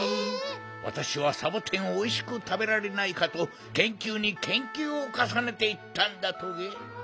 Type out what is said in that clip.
わたしはサボテンをおいしくたべられないかとけんきゅうにけんきゅうをかさねていったんだトゲ。